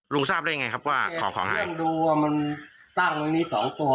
รุงทราบได้ไงครับว่าของหายเรื่องดูว่ามันตั้งตรงนี้สองตัว